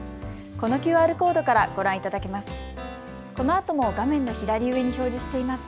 このＱＲコードからご覧いただけます。